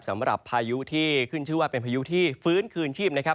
พายุที่ขึ้นชื่อว่าเป็นพายุที่ฟื้นคืนชีพนะครับ